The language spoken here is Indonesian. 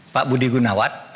pak budi gunawan